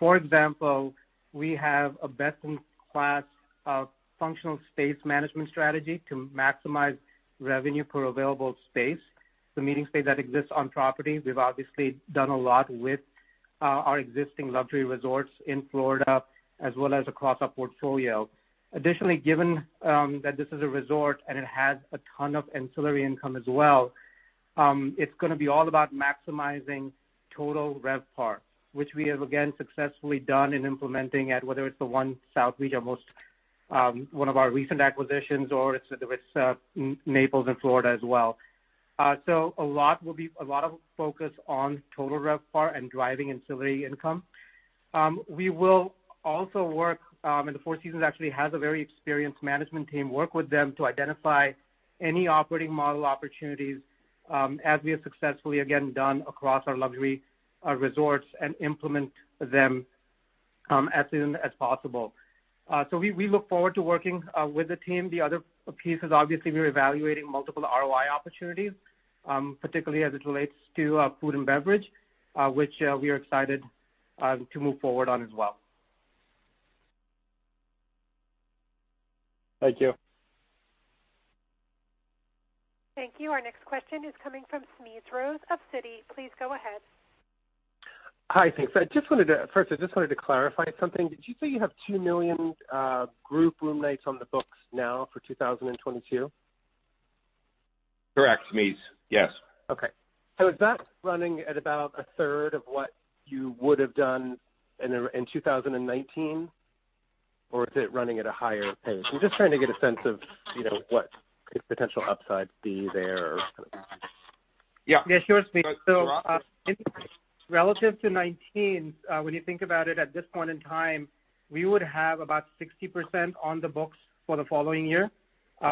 For example, we have a best-in-class functional space management strategy to maximize revenue per available space, the meeting space that exists on property. We've obviously done a lot with our existing luxury resorts in Florida as well as across our portfolio. Additionally, given that this is a resort and it has a ton of ancillary income as well, it's going to be all about maximizing total RevPAR, which we have again successfully done in implementing at whether it's the 1 Hotel South Beach, one of our recent acquisitions, or it's The Ritz-Carlton, Naples in Florida as well. A lot of focus on total RevPAR and driving ancillary income. We will also work, and the Four Seasons actually has a very experienced management team, work with them to identify any operating model opportunities, as we have successfully again done across our luxury resorts and implement them as soon as possible. We look forward to working with the team. The other piece is obviously we're evaluating multiple ROI opportunities, particularly as it relates to food and beverage, which we are excited to move forward on as well. Thank you. Thank you. Our next question is coming from Smedes Rose of Citi. Please go ahead. Hi, thanks. I just wanted to clarify something. Did you say you have 2 million group room nights on the books now for 2022? Correct, Smedes. Yes. Okay. Is that running at about a third of what you would have done in 2019, or is it running at a higher pace? I'm just trying to get a sense of what could potential upsides be there. Yeah. Yeah, sure, Smedes. Sourav Relative to 2019, when you think about it at this point in time, we would have about 60% on the books for the following year.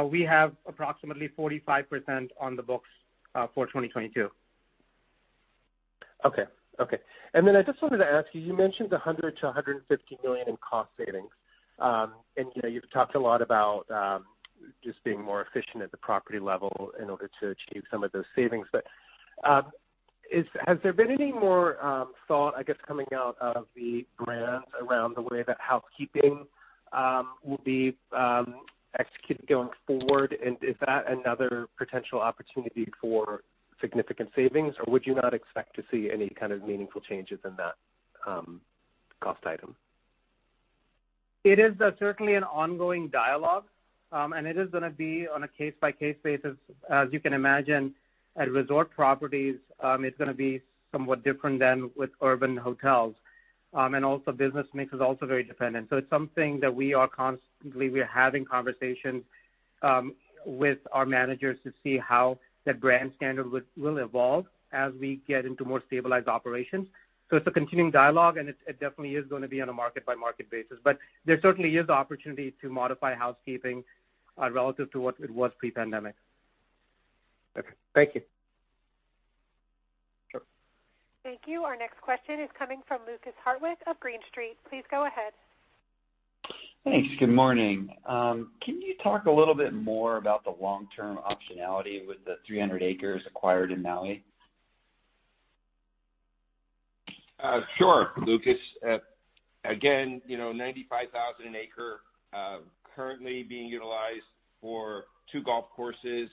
We have approximately 45% on the books for 2022. Okay. I just wanted to ask you mentioned the $100 million-$150 million in cost savings. You've talked a lot about just being more efficient at the property level in order to achieve some of those savings. Has there been any more thought, I guess, coming out of the brands around the way that housekeeping will be executed going forward? Is that another potential opportunity for significant savings, or would you not expect to see any kind of meaningful changes in that cost item? It is certainly an ongoing dialogue, and it is going to be on a case-by-case basis. As you can imagine, at resort properties, it's going to be somewhat different than with urban hotels. Also, business mix is also very dependent. It's something that we are constantly having conversations with our managers to see how the brand standard will evolve as we get into more stabilized operations. It's a continuing dialogue, and it definitely is going to be on a market-by-market basis. There certainly is opportunity to modify housekeeping relative to what it was pre-pandemic. Okay. Thank you. Sure. Thank you. Our next question is coming from Lukas Hartwich of Green Street. Please go ahead. Thanks. Good morning. Can you talk a little bit more about the long-term optionality with the 300 acres acquired in Maui? Sure, Lukas. Again, 95,000 an acre, currently being utilized for two golf courses,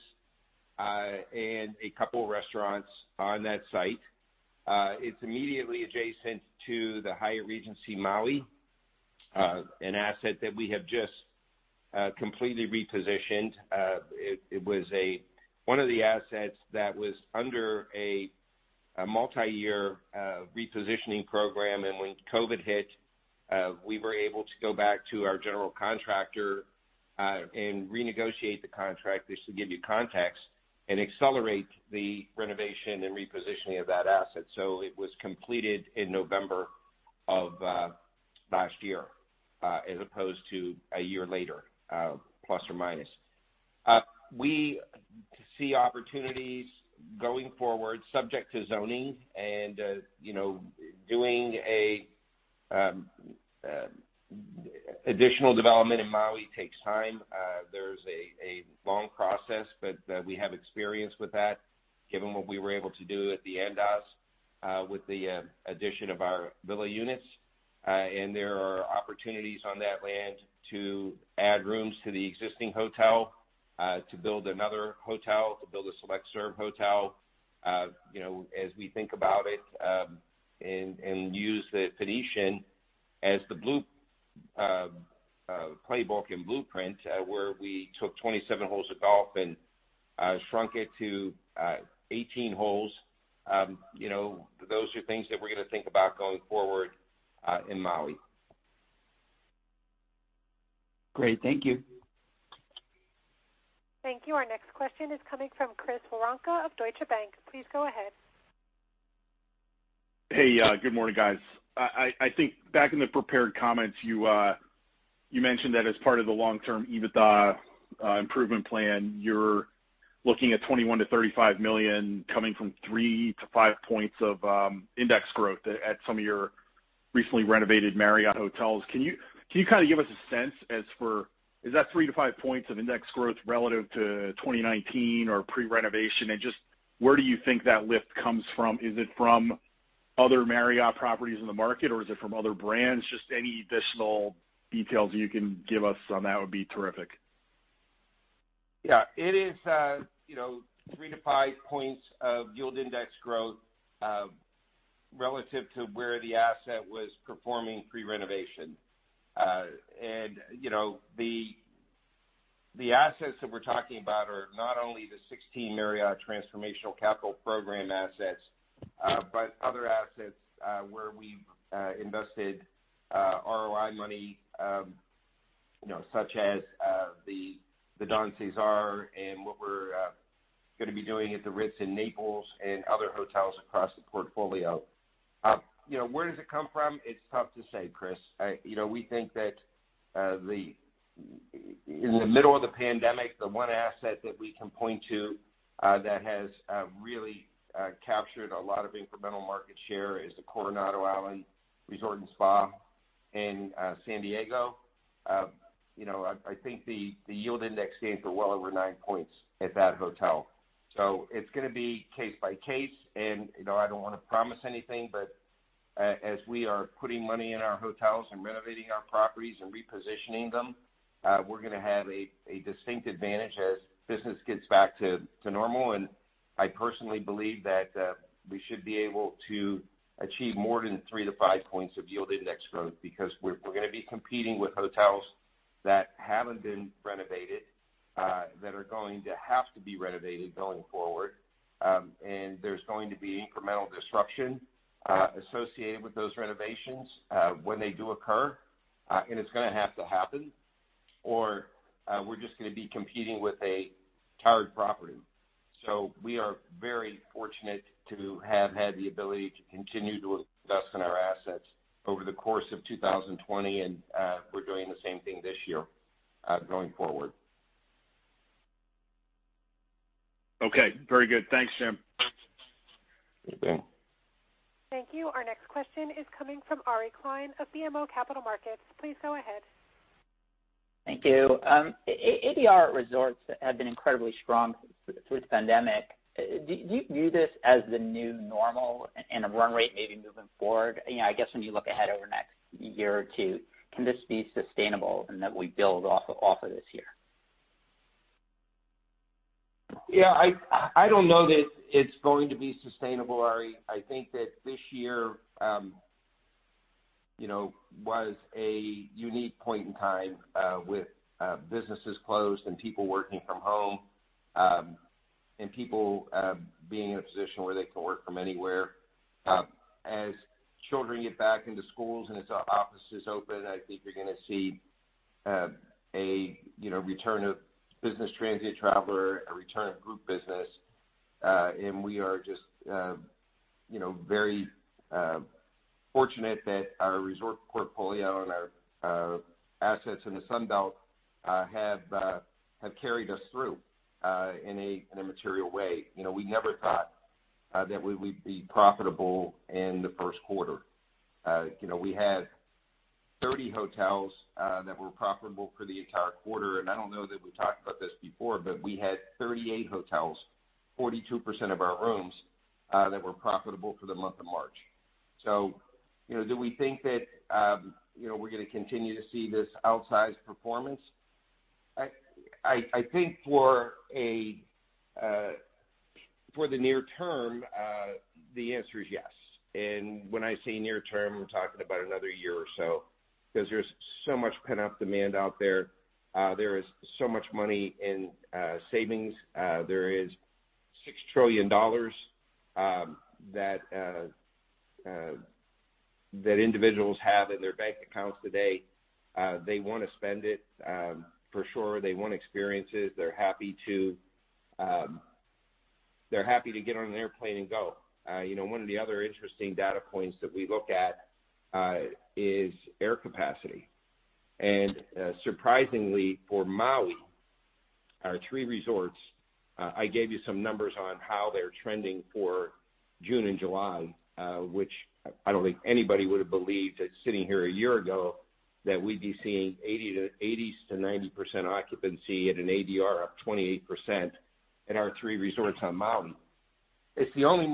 and a couple restaurants on that site. It's immediately adjacent to the Hyatt Regency Maui, an asset that we have just completely repositioned. It was one of the assets that was under a multi-year repositioning program, and when COVID hit, we were able to go back to our general contractor, and renegotiate the contract, just to give you context, and accelerate the renovation and repositioning of that asset. It was completed in November of last year, as opposed to a year later, plus or minus. We see opportunities going forward subject to zoning and doing additional development in Maui takes time. There's a long process, but we have experience with that given what we were able to do at the Andaz with the addition of our villa units. There are opportunities on that land to add rooms to the existing hotel, to build another hotel, to build a select-service hotel, as we think about it, and use the Phoenician as the playbook and blueprint where we took 27 holes of golf and shrunk it to 18 holes. Those are things that we're going to think about going forward in Maui. Great. Thank you. Thank you. Our next question is coming from Chris Woronka of Deutsche Bank. Please go ahead. Hey, good morning, guys. I think back in the prepared comments, you mentioned that as part of the long-term EBITDA improvement plan, you're looking at $21 million-$35 million coming from three to five points of index growth at some of your recently renovated Marriott hotels. Can you give us a sense as for, is that three to five points of index growth relative to 2019 or pre-renovation? Where do you think that lift comes from? Is it from other Marriott properties in the market, or is it from other brands? Just any additional details you can give us on that would be terrific. It is three to five points of yield index growth, relative to where the asset was performing pre-renovation. The assets that we're talking about are not only the 16 Marriott Transformational Capital Program assets, but other assets, where we've invested ROI money, such as the Don CeSar and what we're going to be doing at The Ritz-Carlton, Naples and other hotels across the portfolio. Where does it come from? It's tough to say, Chris. We think that in the middle of the pandemic, the one asset that we can point to that has really captured a lot of incremental market share is the Coronado Island Marriott Resort & Spa in San Diego. I think the yield index gains were well over nine points at that hotel. It's going to be case by case, and I don't want to promise anything, but as we are putting money in our hotels and renovating our properties and repositioning them, we're going to have a distinct advantage as business gets back to normal, and I personally believe that we should be able to achieve more than three to five points of yield index growth because we're going to be competing with hotels that haven't been renovated, that are going to have to be renovated going forward. There's going to be incremental disruption associated with those renovations, when they do occur. It's going to have to happen, or we're just going to be competing with a tired property. We are very fortunate to have had the ability to continue to invest in our assets over the course of 2020, and we're doing the same thing this year, going forward. Okay. Very good. Thanks, Jim. Okay. Thank you. Our next question is coming from Ari Klein of BMO Capital Markets. Please go ahead. Thank you. ADR resorts have been incredibly strong through the pandemic. Do you view this as the new normal and a run rate maybe moving forward? I guess when you look ahead over the next year or two, can this be sustainable and that we build off of this year? I don't know that it's going to be sustainable, Ari. I think that this year was a unique point in time with businesses closed and people working from home, and people being in a position where they can work from anywhere. As children get back into schools and as our offices open, I think you're going to see a return of business transient traveler, a return of group business. We are just very fortunate that our resort portfolio and our assets in the Sun Belt have carried us through in a material way. We never thought that we would be profitable in the first quarter. We had 30 hotels that were profitable for the entire quarter, and I don't know that we talked about this before, but we had 38 hotels, 42% of our rooms, that were profitable for the month of March. Do we think that we're going to continue to see this outsized performance? I think for the near term, the answer is yes. When I say near term, I'm talking about another year or so, because there's so much pent-up demand out there. There is so much money in savings. There is $6 trillion that individuals have in their bank accounts today. They want to spend it, for sure. They want experiences. They're happy to get on an airplane and go. One of the other interesting data points that we look at is air capacity. Surprisingly for Maui, our three resorts, I gave you some numbers on how they're trending for June and July, which I don't think anybody would've believed it sitting here a year ago, that we'd be seeing 80%-90% occupancy at an ADR up 28% in our three resorts on Maui. It's the only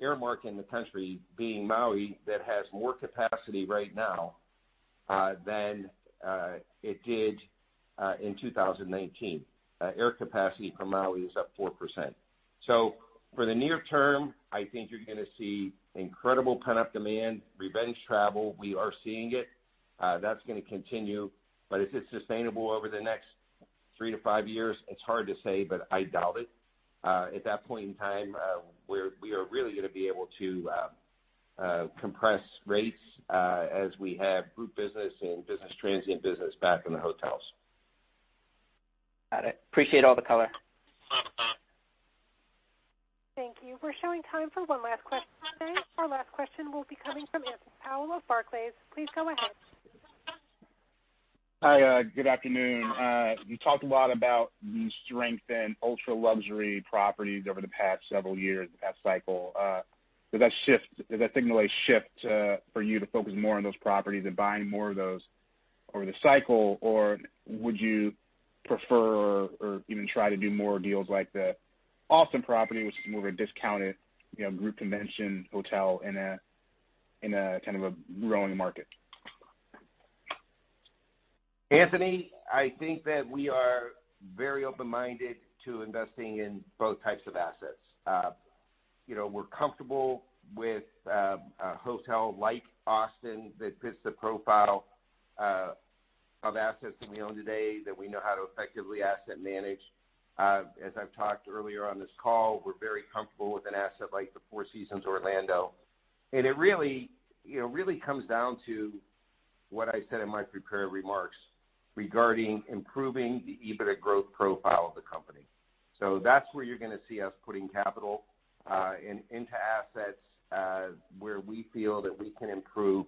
air market in the country, being Maui, that has more capacity right now than it did in 2019. Air capacity for Maui is up 4%. For the near term, I think you're going to see incredible pent-up demand, revenge travel. We are seeing it. That's going to continue. Is it sustainable over the next three to five years? It's hard to say, but I doubt it. At that point in time, we are really going to be able to compress rates as we have group business and business transient business back in the hotels. Got it. Appreciate all the color. Thank you. We're showing time for one last question today. Our last question will be coming from Anthony Powell of Barclays. Please go ahead. Hi, good afternoon. You talked a lot about the strength in ultra-luxury properties over the past several years, the past cycle. Does that signal a shift for you to focus more on those properties and buying more of those over the cycle? Or would you prefer, or even try to do more deals like the Austin property, which is more of a discounted group convention hotel in a kind of a growing market? Anthony, I think that we are very open-minded to investing in both types of assets. We're comfortable with a hotel like Austin that fits the profile of assets that we own today, that we know how to effectively asset manage. As I've talked earlier on this call, we're very comfortable with an asset like the Four Seasons Orlando. It really comes down to what I said in my prepared remarks regarding improving the EBITDA growth profile of the company. That's where you're going to see us putting capital, into assets where we feel that we can improve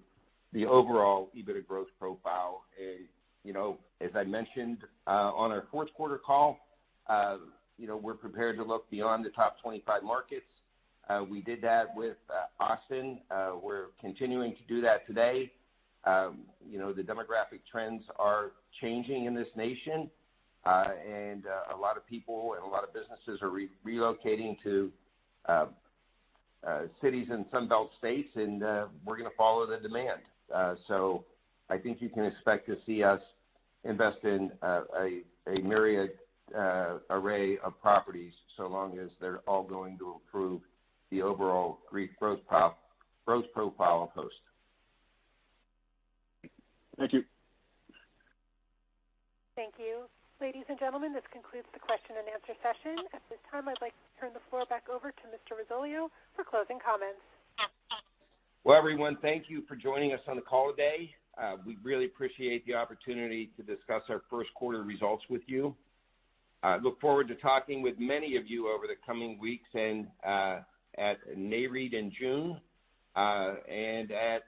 the overall EBITDA growth profile. As I mentioned on our fourth quarter call, we're prepared to look beyond the top 25 markets. We did that with Austin. We're continuing to do that today. The demographic trends are changing in this nation. A lot of people and a lot of businesses are relocating to cities in Sun Belt states and we're going to follow the demand. I think you can expect to see us invest in a myriad array of properties, so long as they're all going to improve the overall REIT growth profile of Host. Thank you. Thank you. Ladies and gentlemen, this concludes the question and answer session. At this time, I'd like to turn the floor back over to Mr. Risoleo for closing comments. Well, everyone, thank you for joining us on the call today. We really appreciate the opportunity to discuss our first quarter results with you. Look forward to talking with many of you over the coming weeks, and at Nareit in June, and at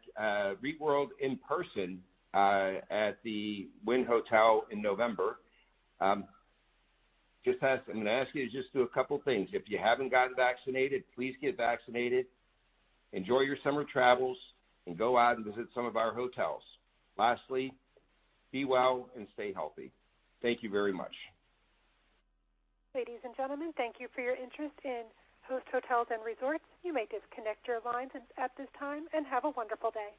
REITworld in person, at the Wynn Hotel in November. I'm going to ask you to just do a couple things. If you haven't gotten vaccinated, please get vaccinated. Enjoy your summer travels and go out and visit some of our hotels. Lastly, be well and stay healthy. Thank you very much. Ladies and gentlemen, thank you for your interest in Host Hotels & Resorts. You may disconnect your lines at this time, and have a wonderful day.